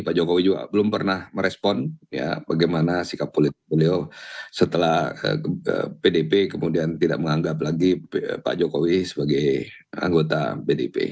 pak jokowi juga belum pernah merespon bagaimana sikap beliau setelah pdp kemudian tidak menganggap lagi pak jokowi sebagai anggota bdp